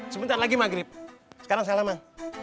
sebentar lagi maghrib sekarang salaman